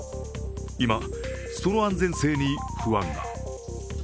今、その安全性に不安が。